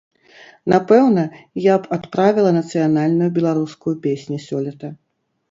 Напэўна, я б адправіла нацыянальную беларускую песню сёлета.